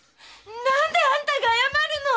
何であんたが謝るの！